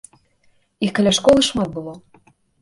Іх каля школы шмат было.